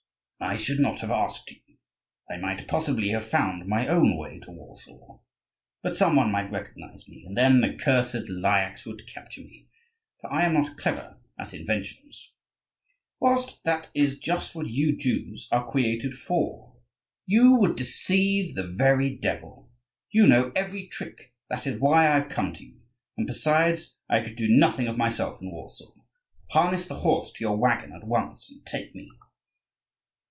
"I should not have asked you, I might possibly have found my own way to Warsaw; but some one might recognise me, and then the cursed Lyakhs would capture me, for I am not clever at inventions; whilst that is just what you Jews are created for. You would deceive the very devil. You know every trick: that is why I have come to you; and, besides, I could do nothing of myself in Warsaw. Harness the horse to your waggon at once and take me."